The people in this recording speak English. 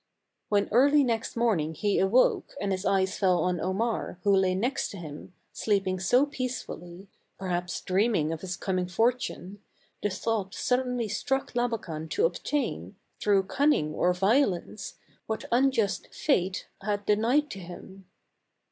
When early next morning he awoke and his eyes fell on Omar, who lay next him, sleeping so peacefully, perhaps dreaming of his coming for tune, the thought suddenly struck Labakan to obtain, through cunning or violence, what unjust fate had denied to him.